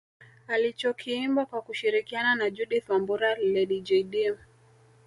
Alichokiimba kwa kushirikiana na Judith Wambura Lady Jaydee